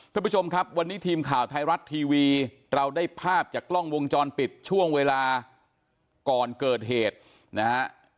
ท่านผู้ชมครับวันนี้ทีมข่าวไทยรัฐทีวีเราได้ภาพจากกล้องวงจรปิดช่วงเวลาก่อนเกิดเหตุนะฮะ